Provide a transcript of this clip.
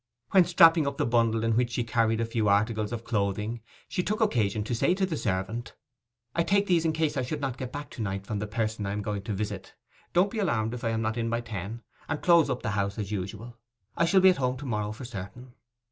When strapping up the bundle in which she carried a few articles of clothing, she took occasion to say to the servant, 'I take these in case I should not get back to night from the person I am going to visit. Don't be alarmed if I am not in by ten, and close up the house as usual. I shall be at home to morrow for certain.